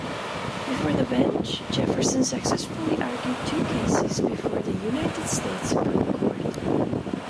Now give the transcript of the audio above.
Before the bench, Jefferson successfully argued two cases before the United States Supreme Court.